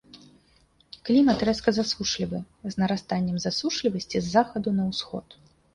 Клімат рэзка засушлівы з нарастаннем засушлівасці з захаду на ўсход.